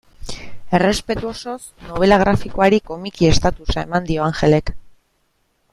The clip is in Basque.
Errespetu osoz, nobela grafikoari komiki estatusa eman dio Angelek.